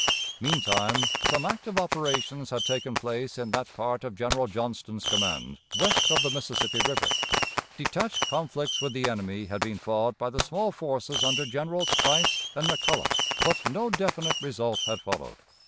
Meantime some active operations had taken place in that part of General Johnston's command west of the Mississippi River. Detached conflicts with the enemy had been fought by the small forces under Generals Price and McCulloch, but no definite result had followed.